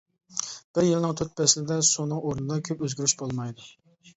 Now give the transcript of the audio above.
بىر يىلنىڭ تۆت پەسلىدە سۇنىڭ ئورنىدا كۆپ ئۆزگىرىش بولمايدۇ.